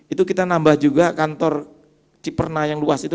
itu kita nambah juga kantor ciperna yang luas itu